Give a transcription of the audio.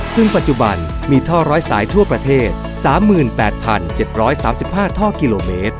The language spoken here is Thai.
ซึ่งปัจจุบันมีท่อร้อยสายทั่วประเทศ๓๘๗๓๕ท่อกิโลเมตร